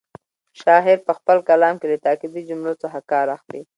شاعر په خپل کلام کې له تاکېدي جملو څخه کار اخلي.